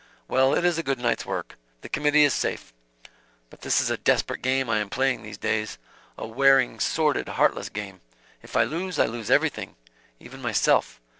Well, it is a good night's work: the committee is safe. But this is a desperate game I am playing in these days a wearing, sordid, heartless game. If I lose, I lose everything even myself.